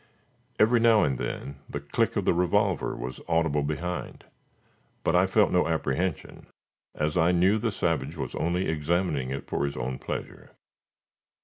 Every now and then the click of the revolver was audible behind, but I felt no apprehension as I knew the savage was only examining it for his own pleasure.